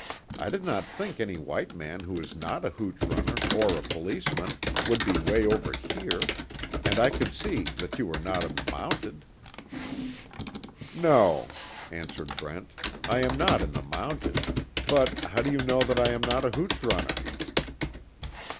"I did not think any white man who is not a hooch runner, or a policeman, would be way over here, and I could see that you were not in the Mounted." "No," answered Brent, "I am not in the Mounted, but, how do you know that I am not a hooch runner?"